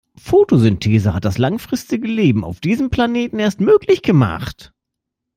Photosynthese hat das langfristige Leben auf diesem Planeten erst möglich gemacht.